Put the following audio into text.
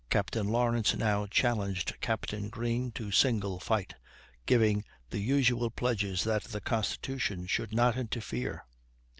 Captain Lawrence now challenged Captain Greene to single fight, giving the usual pledges that the Constitution should not interfere.